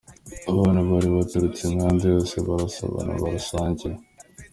Abantu bari baturutse imihanda yose barasabana, barasangira.